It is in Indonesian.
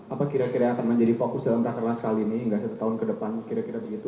apa kira kira yang akan menjadi fokus dalam rakernas kali ini nggak satu tahun ke depan kira kira begitu